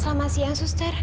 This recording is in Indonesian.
selamat siang suster